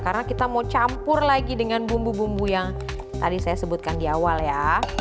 karena kita mau campur lagi dengan bumbu bumbu yang tadi saya sebutkan di awal ya